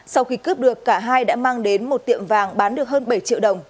sau khi cướp được cả hai đã mang đến một tiệm vàng bán được hơn bảy triệu đồng